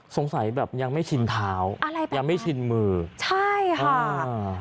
สงสัยแบบยังไม่ชินเท้ายังไม่ชินมืออะไรแบบนั้นค่ะใช่ค่ะ